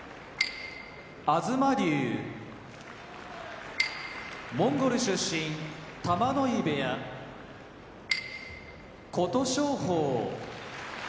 東龍モンゴル出身玉ノ井部屋琴勝峰